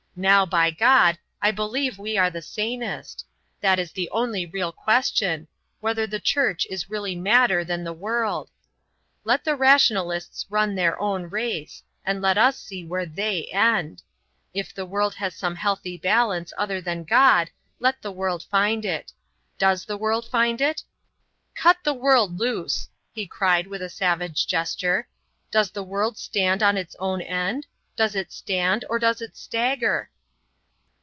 Now, by God! I believe we are the sanest. That is the only real question whether the Church is really madder than the world. Let the rationalists run their own race, and let us see where they end. If the world has some healthy balance other than God, let the world find it. Does the world find it? Cut the world loose," he cried with a savage gesture. "Does the world stand on its own end? Does it stand, or does it stagger?"